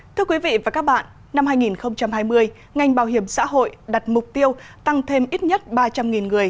thưa quý vị và các bạn năm hai nghìn hai mươi ngành bảo hiểm xã hội đặt mục tiêu tăng thêm ít nhất ba trăm linh người